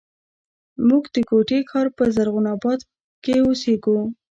موږ د کوټي ښار په زرغون آباد کښې اوسېږو